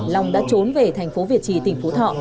long đã trốn về thành phố việt trì tỉnh phú thọ